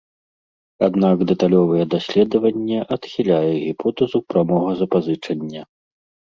Аднак дэталёвае даследаванне адхіляе гіпотэзу прамога запазычання.